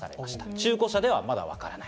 中古車ではまだわからない。